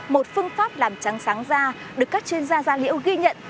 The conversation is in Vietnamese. một phương pháp làm trắng sáng da được các chuyên gia gia liễu ghi nhận